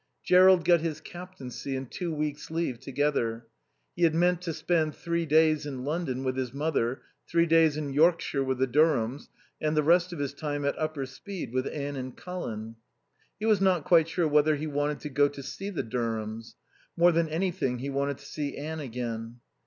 Jerrold got his captaincy and two weeks' leave together. He had meant to spend three days in London with his mother, three days in Yorkshire with the Durhams, and the rest of his time at Upper Speed with Anne and Colin. He was not quite sure whether he wanted to go to the Durhams. More than anything he wanted to see Anne again.